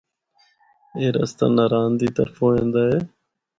اے رستہ ناران دے طرفو ایندا ہے۔